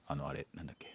何だっけ？